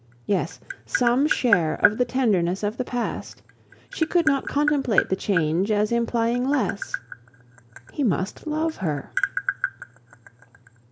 Yes, some share of the tenderness of the past. She could not contemplate the change as implying less. He must love her.